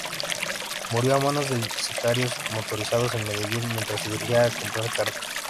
Murió a manos de sicarios motorizados en Medellín mientras se dirigía a comprar carne.